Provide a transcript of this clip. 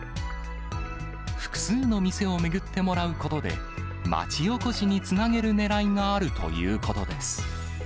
複数の店を巡ってもらうことで、町おこしにつなげるねらいがあるということです。